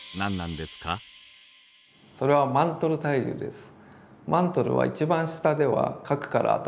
それは「マントル対流」です。